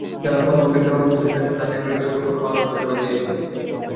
যাঁরা কর্মক্ষেত্রে অনুপস্থিত থাকেন, তাঁদের বিরুদ্ধে কঠোর হওয়ারও ঘোষণা দিয়েছেন তিনি।